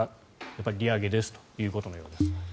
やっぱり利上げですということのようです。